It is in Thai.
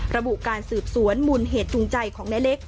ระบุการสืบสวนมูลเหตุจูงใจของนายเล็ก